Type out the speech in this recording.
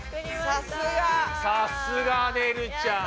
さすがねるちゃん。